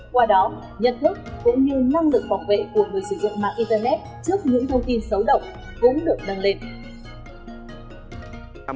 qua đó nhận thức cũng như năng lực bảo vệ của người sử dụng mạng internet trước những thông tin xấu động cũng được đăng lên